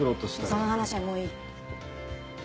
その話はもういい。